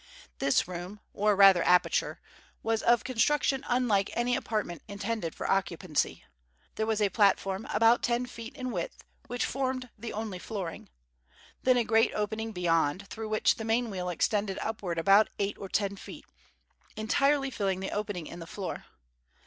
This room, or rather aperture, was of construction unlike any apartment intended for occupancy. There was a platform about ten feet in width, which formed the only flooring. Then a great opening beyond, through which the main wheel extended upward about eight or ten feet, entirely filling the opening in the floor.